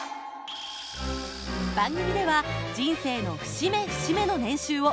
番組では人生の節目節目の年収を随時発表。